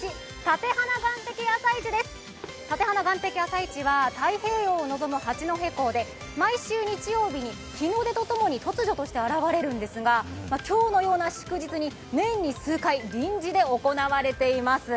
館鼻岸壁朝市は、太平洋を望む八戸港で毎週日曜日に日の出とともに突如として現れるんですが今日のような祝日に年に数回臨時で行われています。